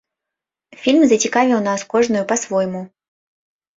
Фільм зацікавіў нас кожную па-свойму.